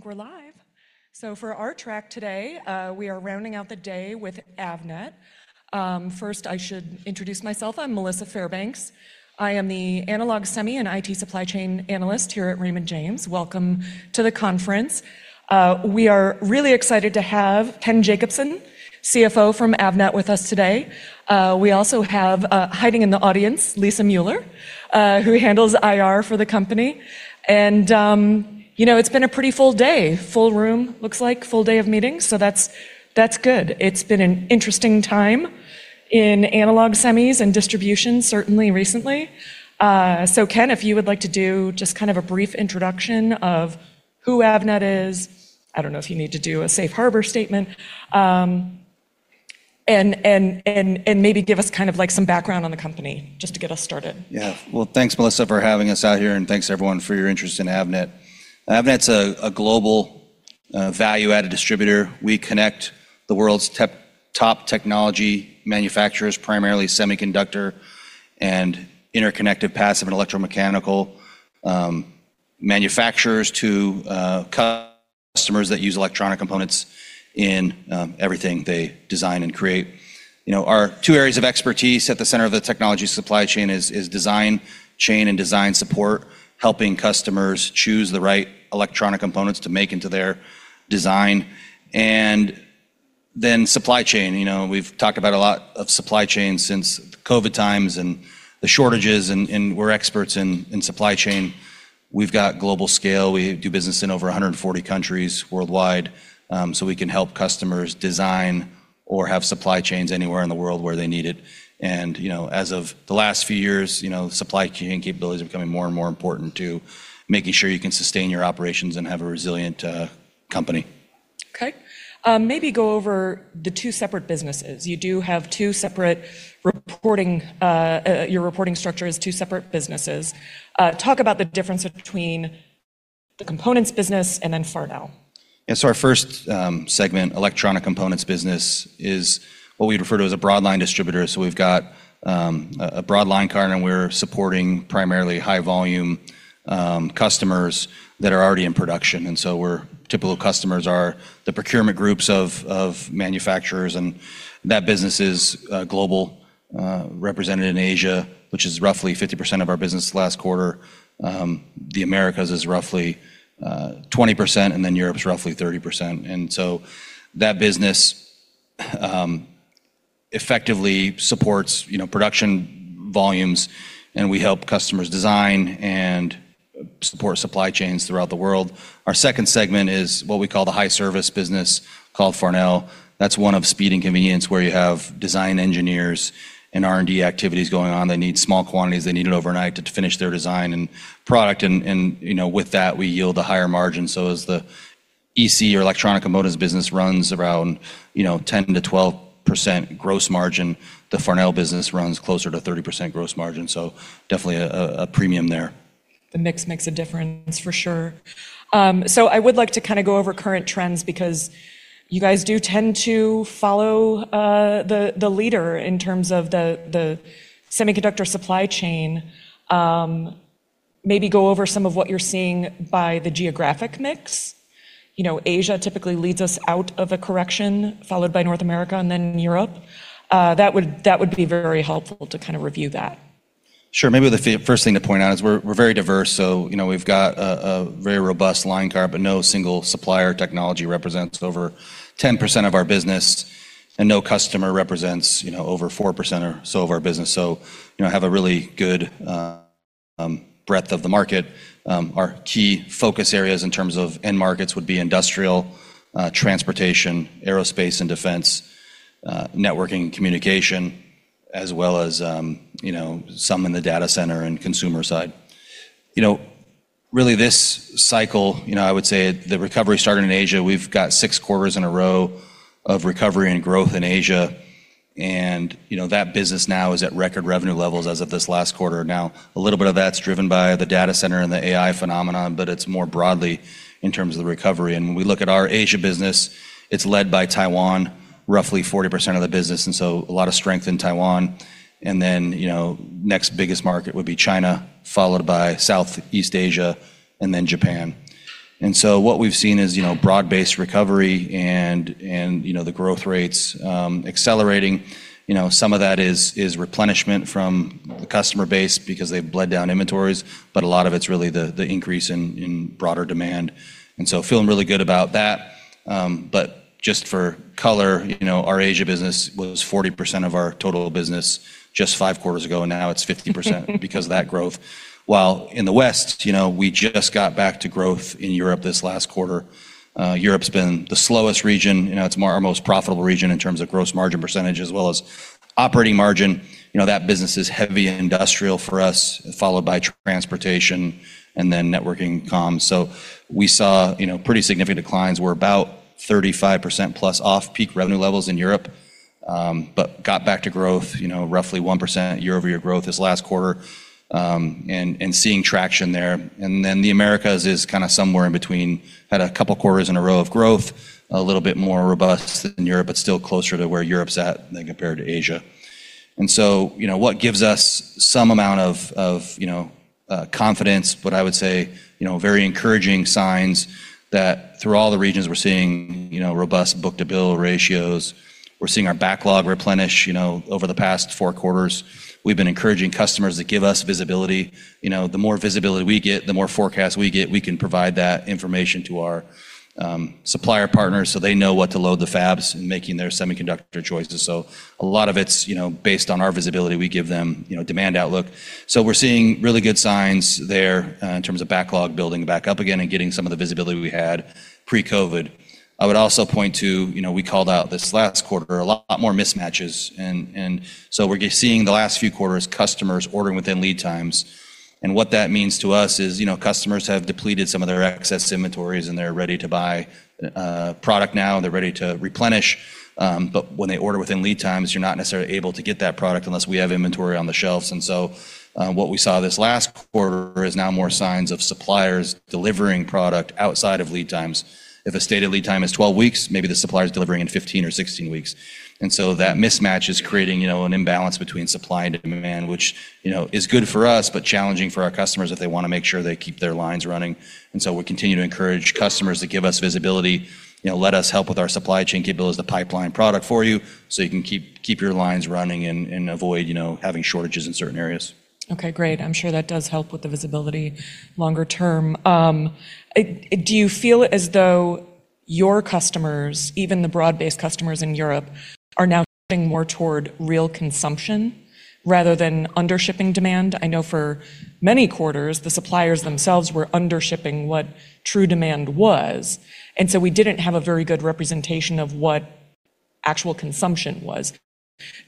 I think we're live. For our track today, we are rounding out the day with Avnet. First, I should introduce myself. I'm Melissa Fairbanks. I am the analog semi and IT supply chain analyst here at Raymond James. Welcome to the conference. We are really excited to have Ken Jacobson, CFO from Avnet, with us today. We also have, hiding in the audience, Lisa Mueller, who handles IR for the company. You know, it's been a pretty full day. Full room, looks like, full day of meetings, that's good. It's been an interesting time in analog semis and distribution, certainly recently. Ken, if you would like to do just kind of a brief introduction of who Avnet is. I don't know if you need to do a Safe Harbor statement. Maybe give us kind of like some background on the company just to get us started. Yeah. Well, thanks, Melissa, for having us out here, and thanks everyone for your interest in Avnet. Avnet's a global, value-added distributor. We connect the world's top technology manufacturers, primarily semiconductor and interconnected passive and electromechanical, manufacturers to customers that use electronic components in everything they design and create. You know, our two areas of expertise at the center of the technology supply chain is design chain and design support, helping customers choose the right electronic components to make into their design. Supply chain, you know, we've talked about a lot of supply chain since COVID times and the shortages and we're experts in supply chain. We've got global scale. We do business in over 140 countries worldwide, we can help customers design or have supply chains anywhere in the world where they need it. You know, as of the last few years, you know, supply chain capabilities are becoming more and more important to making sure you can sustain your operations and have a resilient company. Okay. Maybe go over the two separate businesses. You do have two separate reporting, your reporting structure is two separate businesses. Talk about the difference between the components business and then Farnell. Yeah. Our first segment, Electronic Components business, is what we refer to as a broad line distributor. We've got a broad line card, and we're supporting primarily high-volume customers that are already in production. We're typical customers are the procurement groups of manufacturers, and that business is global, represented in Asia, which is roughly 50% of our business last quarter. The Americas is roughly 20%, and then Europe's roughly 30%. That business effectively supports, you know, production volumes, and we help customers design and support supply chains throughout the world. Our second segment is what we call the high service business called Farnell. That's one of speed and convenience, where you have design engineers and R&D activities going on. They need small quantities. They need it overnight to finish their design and product and, you know, with that, we yield a higher margin. As the EC or Electronic Components business runs around, you know, 10%-12% gross margin, the Farnell business runs closer to 30% gross margin. Definitely a premium there. The mix makes a difference for sure. I would like to kinda go over current trends because you guys do tend to follow the leader in terms of the semiconductor supply chain. Maybe go over some of what you're seeing by the geographic mix. You know, Asia typically leads us out of a correction, followed by North America and then Europe. That would be very helpful to kinda review that. Sure. Maybe the first thing to point out is we're very diverse, so, you know, we've got a very robust line card, but no single supplier technology represents over 10% of our business, and no customer represents, you know, over 4% or so of our business. You know, have a really good breadth of the market. Our key focus areas in terms of end markets would be industrial, transportation, aerospace and defense, networking and communication, as well as, you know, some in the data center and consumer side. You know, really this cycle, you know, I would say the recovery started in Asia. We've got six quarters in a row of recovery and growth in Asia, and, you know, that business now is at record revenue levels as of this last quarter. Now, a little bit of that's driven by the data center and the AI phenomenon, but it's more broadly in terms of the recovery. When we look at our Asia business, it's led by Taiwan, roughly 40% of the business, a lot of strength in Taiwan. Then, you know, next biggest market would be China, followed by Southeast Asia and then Japan. What we've seen is, you know, broad-based recovery and, you know, the growth rates, accelerating. You know, some of that is replenishment from the customer base because they've bled down inventories, but a lot of it's really the increase in broader demand. Feeling really good about that. Just for color, you know, our Asia business was 40% of our total business just five quarters ago, and now it's 50% because of that growth. While in the West, you know, we just got back to growth in Europe this last quarter. Europe's been the slowest region. You know, it's more our most profitable region in terms of gross margin percentage as well as operating margin. You know, that business is heavy industrial for us, followed by transportation and then networking comms. We saw, you know, pretty significant declines. We're about 35%+ off peak revenue levels in Europe, but got back to growth, you know, roughly 1% year-over-year growth this last quarter, and seeing traction there. The Americas is kinda somewhere in between. Had a couple quarters in a row of growth, a little bit more robust than Europe, but still closer to where Europe's at than compared to Asia. You know, what gives us some amount of, you know, confidence, what I would say, you know, very encouraging signs that through all the regions we're seeing, you know, robust book-to-bill ratios. We're seeing our backlog replenish, you know, over the past four quarters. We've been encouraging customers to give us visibility. You know, the more visibility we get, the more forecast we get, we can provide that information to our supplier partners, so they know what to load the fabs in making their semiconductor choices. A lot of it's, you know, based on our visibility, we give them, you know, demand outlook. We're seeing really good signs there in terms of backlog building back up again and getting some of the visibility we had pre-COVID. I would also point to, you know, we called out this last quarter a lot more mismatches and so we're seeing the last few quarters customers ordering within lead times. What that means to us is, you know, customers have depleted some of their excess inventories, and they're ready to buy product now, and they're ready to replenish. When they order within lead times, you're not necessarily able to get that product unless we have inventory on the shelves. What we saw this last quarter is now more signs of suppliers delivering product outside of lead times. If a stated lead time is 12 weeks, maybe the supplier's delivering in 15 or 16 weeks. That mismatch is creating, you know, an imbalance between supply and demand, which, you know, is good for us, but challenging for our customers if they wanna make sure they keep their lines running. We continue to encourage customers to give us visibility. You know, let us help with our supply chain capabilities to pipeline product for you, so you can keep your lines running and avoid, you know, having shortages in certain areas. Okay, great. I'm sure that does help with the visibility longer term. Do you feel as though your customers, even the broad-based customers in Europe, are now shifting more toward real consumption rather than under-shipping demand? I know for many quarters, the suppliers themselves were under-shipping what true demand was, we didn't have a very good representation of what actual consumption was.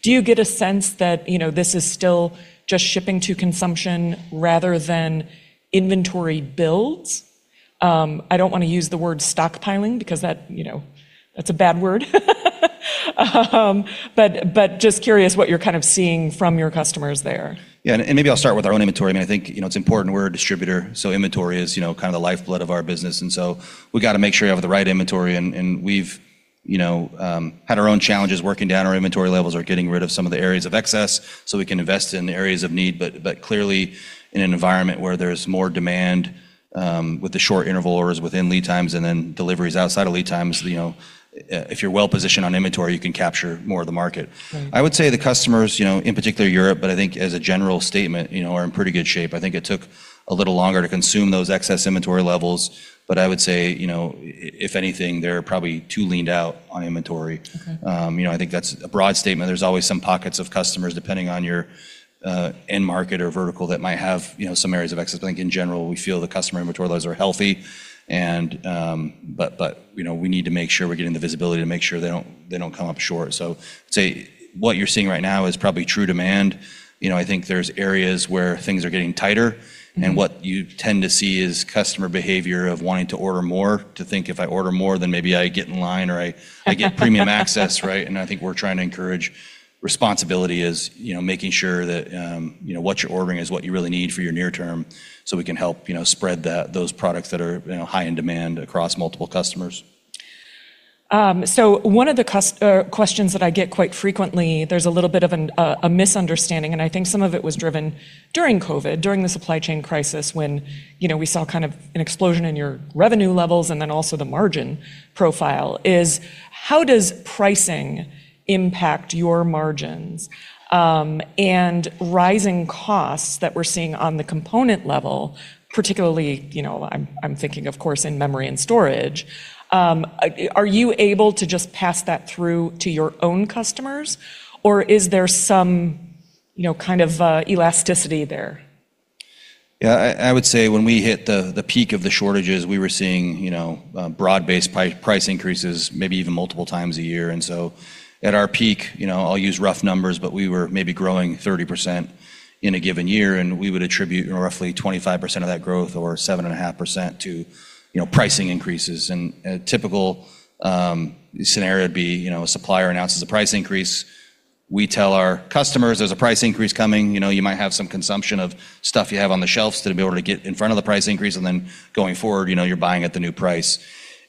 Do you get a sense that, you know, this is still just shipping to consumption rather than inventory builds? I don't wanna use the word stockpiling because that, you know, that's a bad word. Just curious what you're kind of seeing from your customers there? Yeah, maybe I'll start with our own inventory. I mean, I think, you know, it's important we're a distributor, so inventory is, you know, kinda the lifeblood of our business, and so we gotta make sure we have the right inventory. We've, you know, had our own challenges working down our inventory levels or getting rid of some of the areas of excess, so we can invest in areas of need. Clearly in an environment where there's more demand, with the short interval orders within lead times and then deliveries outside of lead times, you know, if you're well-positioned on inventory, you can capture more of the market. Right. I would say the customers, you know, in particular Europe, but I think as a general statement, you know, are in pretty good shape. I think it took a little longer to consume those excess inventory levels, but I would say, you know, if anything, they're probably too leaned out on inventory. Okay. You know, I think that's a broad statement. There's always some pockets of customers, depending on your end market or vertical that might have, you know, some areas of excess. I think in general, we feel the customer inventory levels are healthy and, you know, we need to make sure we're getting the visibility to make sure they don't come up short. I'd say what you're seeing right now is probably true demand. You know, I think there's areas where things are getting tighter. Mm-hmm. What you tend to see is customer behavior of wanting to order more to think, "If I order more, then maybe I get in line or I get premium access," right? I think we're trying to encourage responsibility is, you know, making sure that, you know, what you're ordering is what you really need for your near term, so we can help, you know, spread those products that are, you know, high in demand across multiple customers. One of the questions that I get quite frequently, there's a little bit of a misunderstanding, and I think some of it was driven during COVID, during the supply chain crisis, when, you know, we saw kind of an explosion in your revenue levels and then also the margin profile, is how does pricing impact your margins? Rising costs that we're seeing on the component level, particularly, you know, I'm thinking of course in memory and storage, are you able to just pass that through to your own customers, or is there some, you know, kind of, elasticity there? I would say when we hit the peak of the shortages, we were seeing, you know, broad-based price increases maybe even multiple times a year. At our peak, you know, I'll use rough numbers, but we were maybe growing 30% in a given year, and we would attribute, you know, roughly 25% of that growth or 7.5% to, you know, pricing increases. A typical scenario would be, you know, a supplier announces a price increase. We tell our customers there's a price increase coming. You know, you might have some consumption of stuff you have on the shelves to be able to get in front of the price increase, going forward, you know, you're buying at the new price.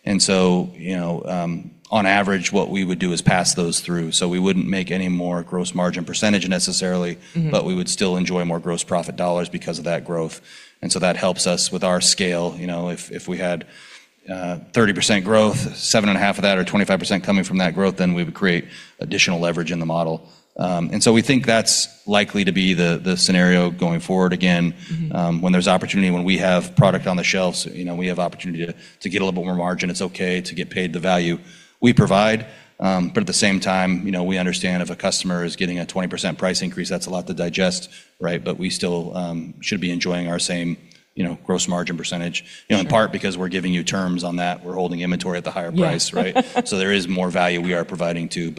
You know, on average, what we would do is pass those through. We wouldn't make any more gross margin percentage necessarily-. Mm-hmm. We would still enjoy more gross profit dollars because of that growth. That helps us with our scale. You know, if we had 30% growth, 7.5% of that or 25% coming from that growth, then we would create additional leverage in the model. We think that's likely to be the scenario going forward again. Mm-hmm. When there's opportunity, when we have product on the shelves, you know, we have opportunity to get a little bit more margin. It's okay to get paid the value we provide. At the same time, you know, we understand if a customer is getting a 20% price increase, that's a lot to digest, right? We still should be enjoying our same, you know, gross margin %. Yeah. You know, in part because we're giving you terms on that. We're holding inventory at the higher price, right? Yeah. there is more value we are providing too.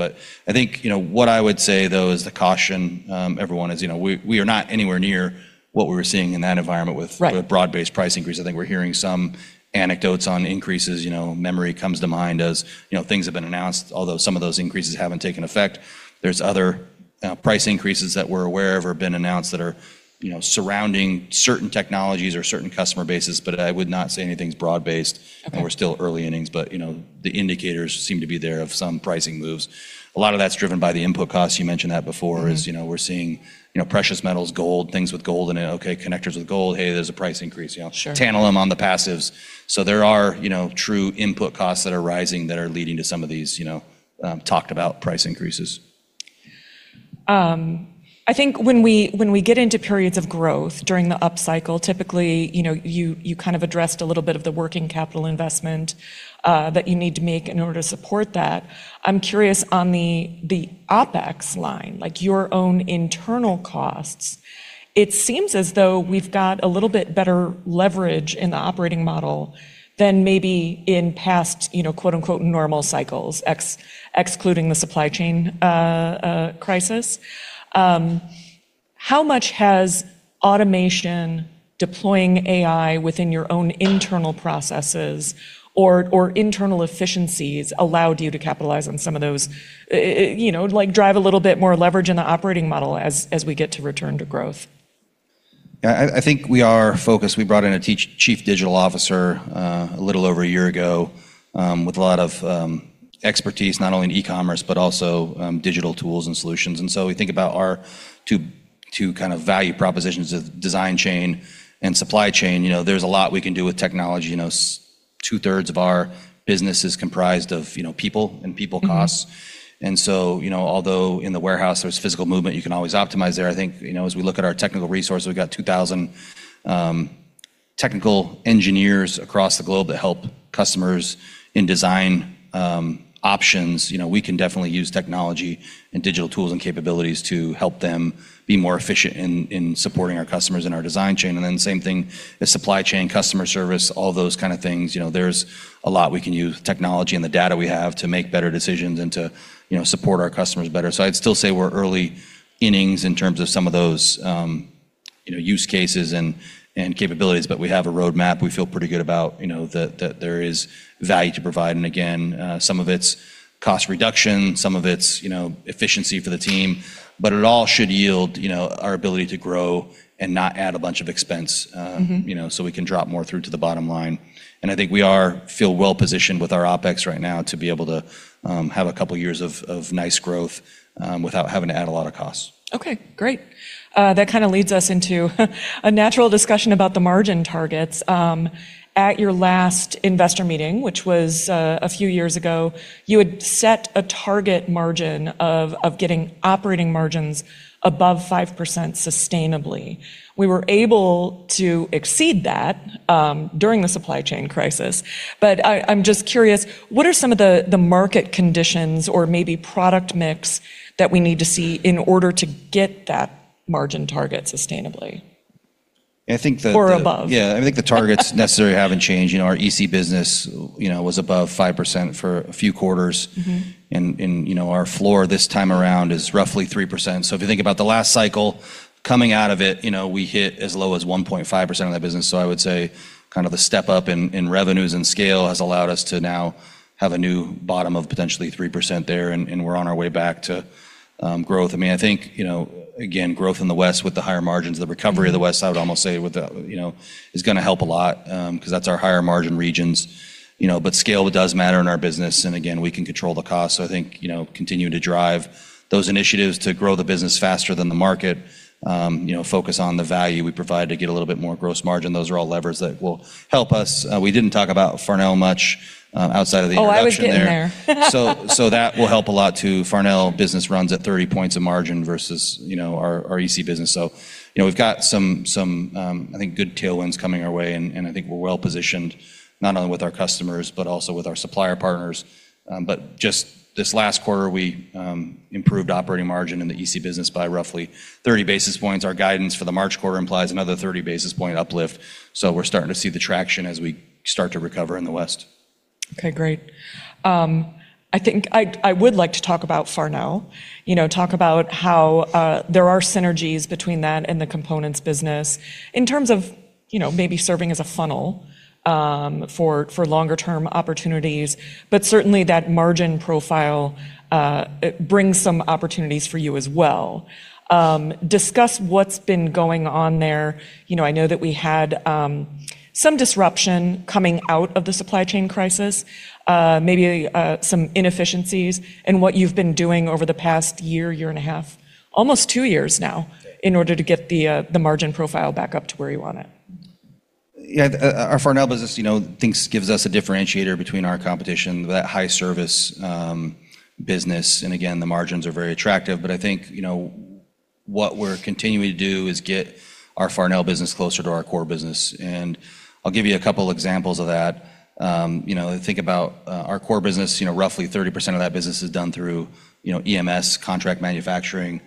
I think, you know, what I would say though, as a caution, everyone, is, you know, we are not anywhere near what we were seeing in that environment with. Right. with broad-based price increase. I think we're hearing some anecdotes on increases. You know, memory comes to mind as, you know, things have been announced, although some of those increases haven't taken effect. There's other price increases that we're aware of or been announced that are, you know, surrounding certain technologies or certain customer bases, but I would not say anything's broad-based, and we're still early innings. You know, the indicators seem to be there of some pricing moves. A lot of that's driven by the input costs. You mentioned that before. Mm-hmm. as, you know, we're seeing, you know, precious metals, gold, things with gold in it. Okay, connectors with gold, hey, there's a price increase, you know. Sure. Tantalum on the passives. There are, you know, true input costs that are rising that are leading to some of these, you know, talked about price increases. I think when we, when we get into periods of growth during the up cycle, typically, you know, you kind of addressed a little bit of the working capital investment that you need to make in order to support that. I'm curious on the OpEx line, like your own internal costs, it seems as though we've got a little bit better leverage in the operating model than maybe in past, you know, quote-unquote, normal cycles, excluding the supply chain crisis. How much has automation, deploying AI within your own internal processes or internal efficiencies allowed you to capitalize on some of those, you know, like drive a little bit more leverage in the operating model as we get to return to growth? I think we are focused. We brought in a Chief Digital Officer, a little over a year ago, with a lot of expertise, not only in e-commerce, but also digital tools and solutions. We think about our two kind of value propositions of design chain and supply chain. You know, there's a lot we can do with technology. You know, 2/3 of our business is comprised of, you know, people and people costs. Mm-hmm. You know, although in the warehouse, there's physical movement, you can always optimize there. I think, you know, as we look at our technical resources, we've got 2,000 technical engineers across the globe that help customers in design options. You know, we can definitely use technology and digital tools and capabilities to help them be more efficient in supporting our customers in our design chain. Same thing as supply chain, customer service, all those kind of things. You know, there's a lot we can use technology and the data we have to make better decisions and to, you know, support our customers better. I'd still say we're early innings in terms of some of those, you know, use cases and capabilities, but we have a roadmap we feel pretty good about, you know, that there is value to provide. Again, some of it's cost reduction, some of it's, you know, efficiency for the team, but it all should yield, you know, our ability to grow and not add a bunch of expense. Mm-hmm.... you know, so we can drop more through to the bottom line. I think we feel well-positioned with our OpEx right now to be able to have a couple years of nice growth without having to add a lot of costs. Okay, great. That kind of leads us into a natural discussion about the margin targets. At your last investor meeting, which was a few years ago, you had set a target margin of getting operating margins above 5% sustainably. We were able to exceed that during the supply chain crisis. I'm just curious, what are some of the market conditions or maybe product mix that we need to see in order to get that margin target sustainably? I think or above. Yeah, I think the targets necessarily haven't changed. You know, our EC business, you know, was above 5% for a few quarters. Mm-hmm. You know, our floor this time around is roughly 3%. If you think about the last cycle coming out of it, you know, we hit as low as 1.5% of that business. I would say kind of the step-up in revenues and scale has allowed us to now have a new bottom of potentially 3% there, and we're on our way back to growth. I mean, I think, you know, again, growth in the West with the higher margins, the recovery of the West- Mm-hmm.... I would almost say with the, you know, is gonna help a lot, 'cause that's our higher margin regions. You know, scale does matter in our business, and again, we can control the cost. I think, you know, continuing to drive those initiatives to grow the business faster than the market, you know, focus on the value we provide to get a little bit more gross margin, those are all levers that will help us. We didn't talk about Farnell much, outside of the introduction there. Oh, I was getting there. That will help a lot too. Farnell business runs at 30 points of margin versus, you know, our EC business. You know, we've got some, I think good tailwinds coming our way, and I think we're well-positioned, not only with our customers, but also with our supplier partners. Just this last quarter, we improved operating margin in the EC business by roughly 30 basis points. Our guidance for the March quarter implies another 30 basis point uplift. We're starting to see the traction as we start to recover in the West. Okay, great. I would like to talk about Farnell. You know, talk about how there are synergies between that and the components business in terms of, you know, maybe serving as a funnel for longer term opportunities, but certainly that margin profile it brings some opportunities for you as well. Discuss what's been going on there. You know, I know that we had some disruption coming out of the supply chain crisis, maybe some inefficiencies, and what you've been doing over the past year and a half, almost two years now, in order to get the margin profile back up to where you want it. Yeah. Our Farnell business, you know, thinks gives us a differentiator between our competition, that high service business, and again, the margins are very attractive. I think, you know, what we're continuing to do is get our Farnell business closer to our core business, and I'll give you a couple examples of that. You know, think about our core business. You know, roughly 30% of that business is done through, you know, EMS contract manufacturing,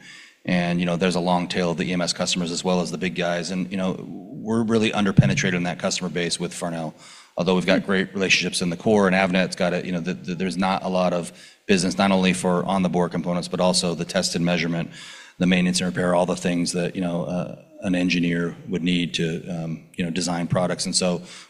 and, you know, there's a long tail of the EMS customers as well as the big guys. You know, we're really under-penetrated in that customer base with Farnell. Although we've got great relationships in the core, and Avnet's got a, you know, there's not a lot of business, not only for on-board components, but also the test and measurement, the maintenance and repair, all the things that, you know, an engineer would need to, you know, design products.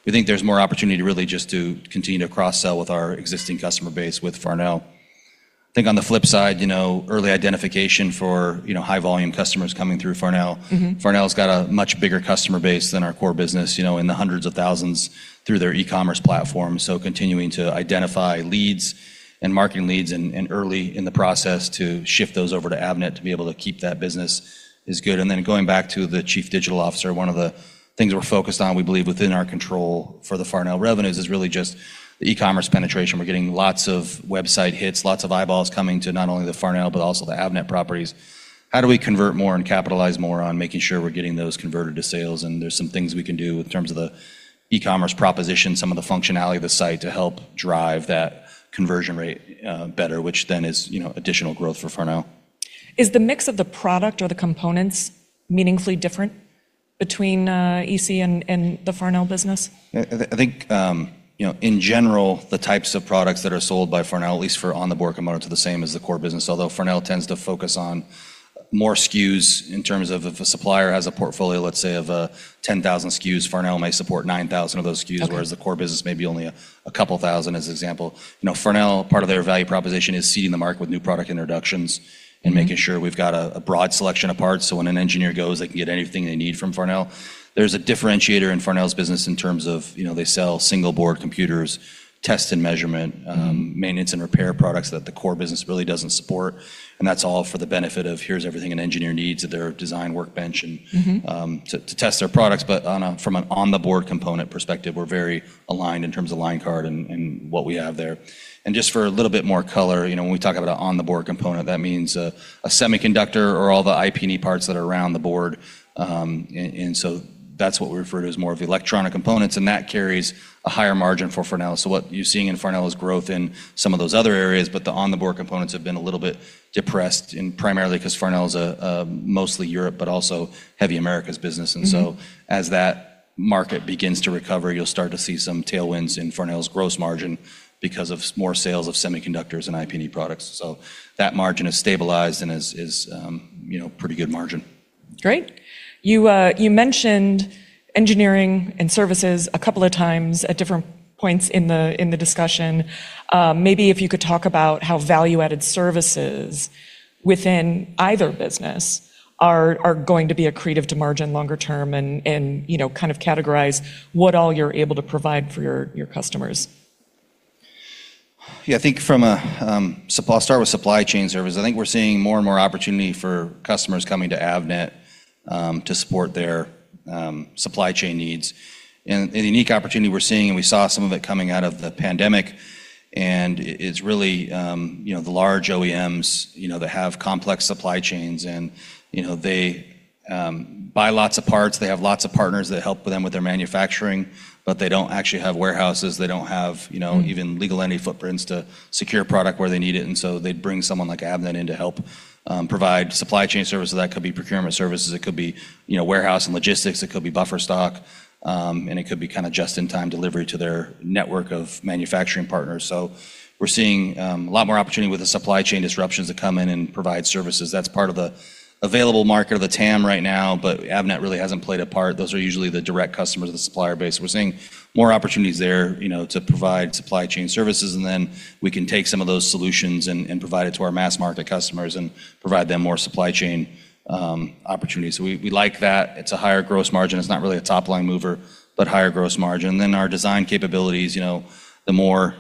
We think there's more opportunity really just to continue to cross-sell with our existing customer base with Farnell. I think on the flip side, you know, early identification for, you know, high volume customers coming through Farnell. Mm-hmm. Farnell's got a much bigger customer base than our core business, you know, in the hundreds of thousands through their e-commerce platform. Continuing to identify leads and marketing leads and early in the process to shift those over to Avnet to be able to keep that business is good. Then going back to the Chief Digital Officer, one of the things we're focused on, we believe within our control for the Farnell revenues, is really just the e-commerce penetration. We're getting lots of website hits, lots of eyeballs coming to not only the Farnell, but also the Avnet properties. How do we convert more and capitalize more on making sure we're getting those converted to sales? There's some things we can do in terms of the e-commerce proposition, some of the functionality of the site to help drive that conversion rate better, which then is, you know, additional growth for Farnell. Is the mix of the product or the components meaningfully different between EC and the Farnell business? I think, you know, in general, the types of products that are sold by Farnell, at least for on-board components, are the same as the core business. Although Farnell tends to focus on more SKUs in terms of if a supplier has a portfolio, let's say of 10,000 SKUs, Farnell may support 9,000 of those SKUs. Okay. The core business may be only a couple thousand as an example. You know, Farnell, part of their value proposition is seeding the market with new product introductions. Mm-hmm. Making sure we've got a broad selection of parts. When an engineer goes, they can get anything they need from Farnell. There's a differentiator in Farnell's business in terms of, you know, they sell single-board computers, test and measurement. Mm-hmm. maintenance and repair products that the core business really doesn't support. That's all for the benefit of here's everything an engineer needs at their design workbench and- Mm-hmm.... to test their products. From an on the board component perspective, we're very aligned in terms of line card and what we have there. Just for a little bit more color, you know, when we talk about a on the board component, that means a semiconductor or all the IP&E parts that are around the board. That's what we refer to as more of electronic components, and that carries a higher margin for Farnell. What you're seeing in Farnell is growth in some of those other areas, but the on the board components have been a little bit depressed and primarily 'cause Farnell is a mostly Europe but also heavy Americas business. Mm-hmm. As that market begins to recover, you'll start to see some tailwinds in Farnell's gross margin because of more sales of semiconductors and IP&E products. That margin has stabilized and is, you know, pretty good margin. Great. You mentioned engineering and services a couple of times at different points in the discussion. Maybe if you could talk about how value-added services within either business are going to be accretive to margin longer term and, you know, kind of categorize what all you're able to provide for your customers? Yeah. I think from a I'll start with supply chain service. I think we're seeing more and more opportunity for customers coming to Avnet to support their supply chain needs. A unique opportunity we're seeing, and we saw some of it coming out of the pandemic, and it's really, you know, the large OEMs, you know, that have complex supply chains and, you know, they buy lots of parts. They have lots of partners that help them with their manufacturing, but they don't actually have warehouses. They don't have, you know. Mm-hmm.... even legal entity footprints to secure product where they need it. They bring someone like Avnet in to help provide supply chain services. That could be procurement services. It could be, you know, warehouse and logistics. It could be buffer stock. And it could be kinda just-in-time delivery to their network of manufacturing partners. We're seeing a lot more opportunity with the supply chain disruptions to come in and provide services. That's part of the available market or the TAM right now, but Avnet really hasn't played a part. Those are usually the direct customers of the supplier base. We're seeing more opportunities there, you know, to provide supply chain services, and then we can take some of those solutions and provide it to our mass market customers and provide them more supply chain opportunities. We like that. It's a higher gross margin. It's not really a top-line mover, but higher gross margin. Our design capabilities, you know, the more,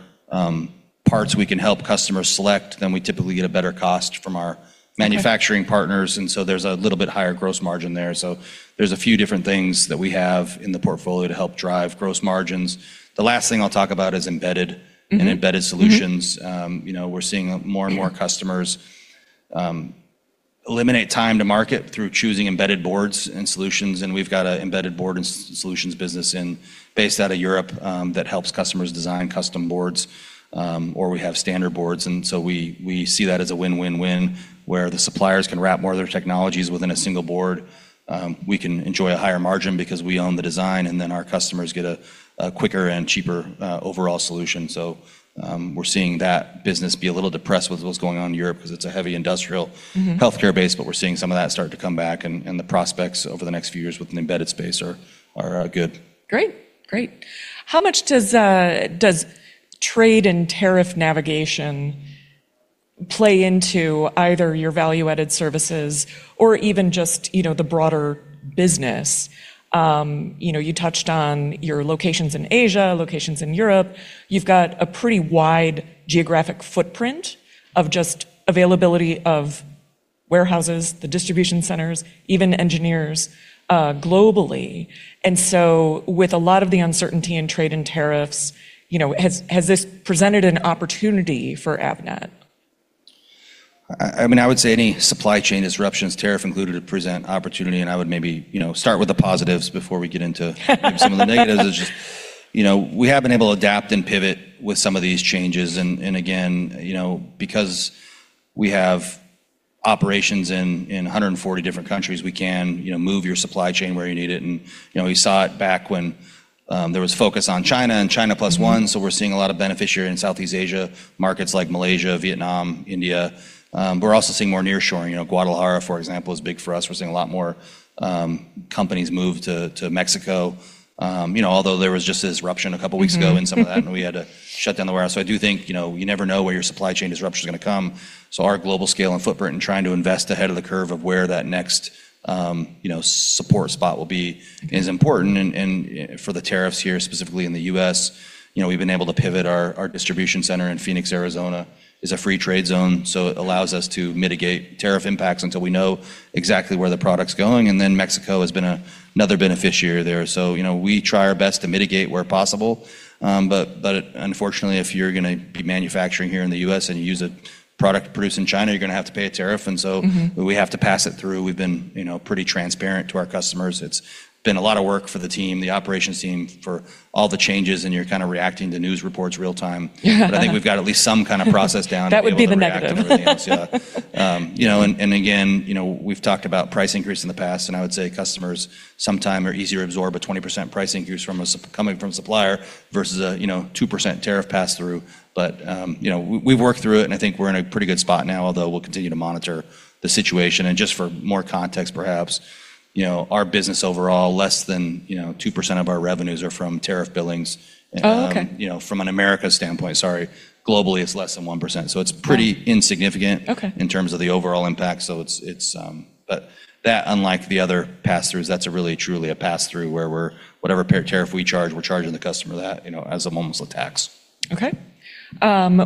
parts we can help customers select, then we typically get a better cost from our manufacturing partners. Okay. There's a little bit higher gross margin there. There's a few different things that we have in the portfolio to help drive gross margins. The last thing I'll talk about is. Mm-hmm.... and embedded solutions. Mm-hmm. You know, we're seeing more and more customers eliminate time to market through choosing embedded boards and solutions. We've got a embedded board and solutions business based out of Europe that helps customers design custom boards, or we have standard boards. We, we see that as a win-win-win where the suppliers can wrap more of their technologies within a single board. We can enjoy a higher margin because we own the design, and then our customers get a quicker and cheaper, overall solution. We're seeing that business be a little depressed with what's going on in Europe 'cause it's a heavy industrial- Mm-hmm... healthcare base, but we're seeing some of that start to come back, and the prospects over the next few years with an embedded space are good. Great. Great. How much does trade and tariff navigation play into either your value-added services or even just, you know, the broader business? You know, you touched on your locations in Asia, locations in Europe. You've got a pretty wide geographic footprint of just availability of warehouses, the distribution centers, even engineers globally. With a lot of the uncertainty in trade and tariffs, you know, has this presented an opportunity for Avnet? I mean, I would say any supply chain disruptions, tariff included, present opportunity, and I would maybe, you know, start with the positives before we get into some of the negatives is just, you know, we have been able to adapt and pivot with some of these changes and again, you know, because we have operations in 140 different countries, we can, you know, move your supply chain where you need it. You know, we saw it back when there was focus on China and China Plus One. Mm-hmm. We're seeing a lot of beneficiary in Southeast Asia, markets like Malaysia, Vietnam, India. We're also seeing more nearshoring. You know, Guadalajara, for example, is big for us. We're seeing a lot more companies move to Mexico. You know, although there was just this disruption a couple weeks ago... Mm-hmm Some of that, and we had to shut down the warehouse. I do think, you know, you never know where your supply chain disruption is going to come. Our global scale and footprint and trying to invest ahead of the curve of where that next, you know, support spot will be is important, and for the tariffs here specifically in the U.S., you know, we've been able to pivot our distribution center in Phoenix, Arizona is a free trade zone, so it allows us to mitigate tariff impacts until we know exactly where the product's going. Mexico has been another beneficiary there. You know, we try our best to mitigate where possible. Unfortunately, if you're going to be manufacturing here in the U.S. and you use a product produced in China, you're going to have to pay a tariff. And so- Mm-hmm. We have to pass it through. We've been, you know, pretty transparent to our customers. It's been a lot of work for the team, the operations team, for all the changes, and you're kind of reacting to news reports real time. Yeah. I think we've got at least some kind of process down. That would be the negative. To be able to react to everything else. Yeah. You know, and again, you know, we've talked about price increase in the past, and I would say customers sometimes are easier to absorb a 20% price increase from a coming from supplier versus a, you know, 2% tariff pass-through. We've worked through it, and I think we're in a pretty good spot now, although we'll continue to monitor the situation. Just for more context, perhaps, you know, our business overall, less than, you know, 2% of our revenues are from tariff billings. Oh, okay. You know, from an America standpoint, sorry. Globally, it's less than 1%. Right. It's pretty insignificant. Okay.... in terms of the overall impact. It's that, unlike the other pass-throughs, that's a really truly a pass-through where whatever tariff we charge, we're charging the customer that, you know, as almost a tax. Okay.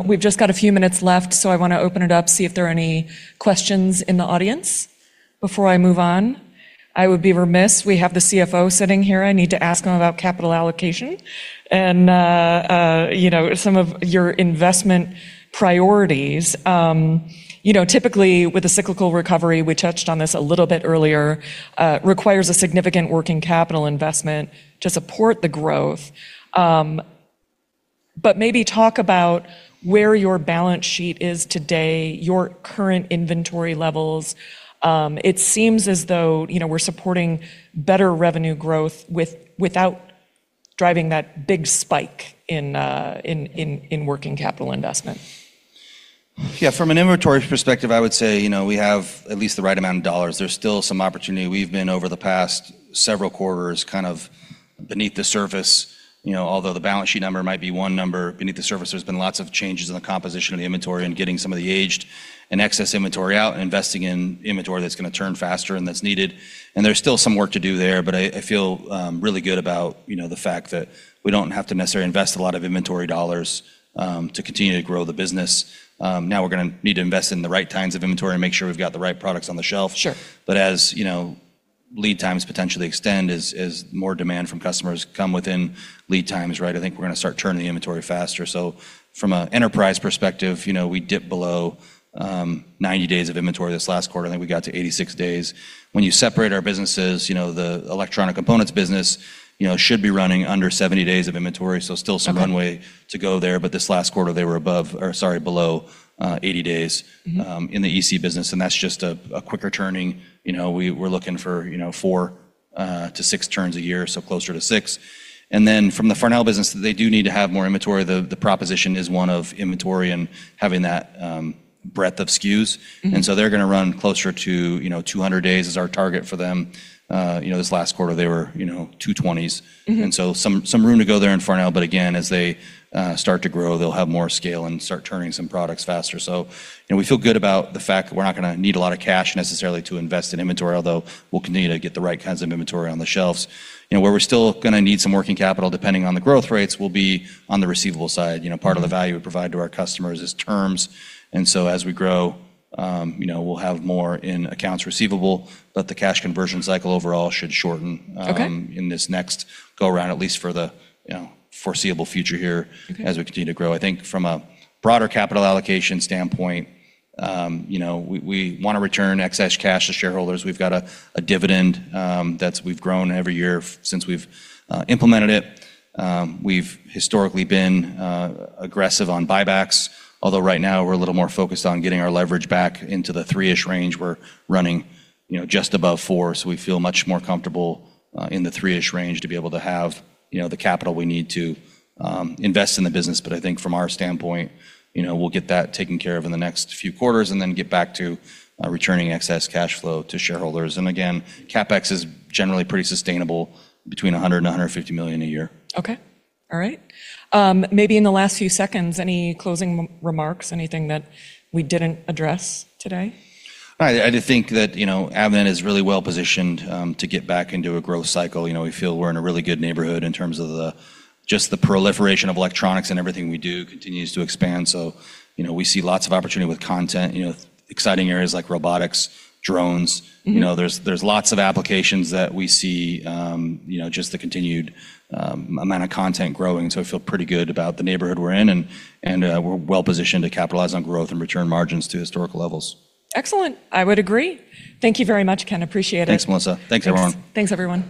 We've just got a few minutes left, so I wanna open it up, see if there are any questions in the audience. Before I move on, I would be remiss, we have the CFO sitting here, I need to ask him about capital allocation and, you know, some of your investment priorities. You know, typically with a cyclical recovery, we touched on this a little bit earlier, requires a significant working capital investment to support the growth. Maybe talk about where your balance sheet is today, your current inventory levels? It seems as though, you know, we're supporting better revenue growth without driving that big spike in working capital investment. Yeah. From an inventory perspective, I would say, you know, we have at least the right amount of dollars. There's still some opportunity. We've been, over the past several quarters, kind of beneath the surface. You know, although the balance sheet number might be one number, beneath the surface, there's been lots of changes in the composition of the inventory and getting some of the aged and excess inventory out and investing in inventory that's gonna turn faster and that's needed. There's still some work to do there, but I feel really good about, you know, the fact that we don't have to necessarily invest a lot of inventory dollars to continue to grow the business. Now we're gonna need to invest in the right kinds of inventory and make sure we've got the right products on the shelf. Sure. As, you know, lead times potentially extend as more demand from customers come within lead times, right? I think we're gonna start turning the inventory faster. From an enterprise perspective, you know, we dip below 90 days of inventory this last quarter, I think we got to 86 days. When you separate our businesses, you know, the Electronic Components business, you know, should be running under 70 days of inventory, so still. Okay.... runway to go there, but this last quarter they were above or, sorry, below, 80 days. Mm-hmm.... in the EC business, and that's just a quicker turning. You know, we're looking for, you know, four to six turns a year, so closer to six. And then from the Farnell business, they do need to have more inventory. The, the proposition is one of inventory and having that breadth of SKUs. Mm-hmm. They're gonna run closer to, you know, 200 days is our target for them. You know, this last quarter they were, you know, 220s. Mm-hmm. Some room to go there in Farnell, but again, as they start to grow, they'll have more scale and start turning some products faster. You know, we feel good about the fact that we're not gonna need a lot of cash necessarily to invest in inventory, although we'll continue to get the right kinds of inventory on the shelves. You know, where we're still gonna need some working capital, depending on the growth rates, will be on the receivable side. You know, part of the value we provide to our customers is terms. As we grow, you know, we'll have more in accounts receivable, but the cash conversion cycle overall should shorten. Okay... in this next go around, at least for the, you know, foreseeable future here... Okay. as we continue to grow. I think from a broader capital allocation standpoint, you know, we wanna return excess cash to shareholders. We've got a dividend that's we've grown every year since we've implemented it. We've historically been aggressive on buybacks, although right now we're a little more focused on getting our leverage back into the three-ish range. We're running, you know, just above four, so we feel much more comfortable in the three-ish range to be able to have, you know, the capital we need to invest in the business. I think from our standpoint, you know, we'll get that taken care of in the next few quarters and then get back to returning excess cash flow to shareholders. Again, CapEx is generally pretty sustainable between $100 million and $150 million a year. Okay. All right. Maybe in the last few seconds, any closing remarks? Anything that we didn't address today? I think that, you know, Avnet is really well positioned to get back into a growth cycle. You know, we feel we're in a really good neighborhood in terms of just the proliferation of electronics and everything we do continues to expand. You know, we see lots of opportunity with content, you know, exciting areas like robotics, drones. Mm-hmm. You know, there's lots of applications that we see, you know, just the continued amount of content growing, so I feel pretty good about the neighborhood we're in and we're well positioned to capitalize on growth and return margins to historical levels. Excellent. I would agree. Thank you very much, Ken. Appreciate it. Thanks, Melissa. Thanks, everyone. Thanks, everyone.